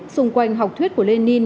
xung quanh học thuyết của lenin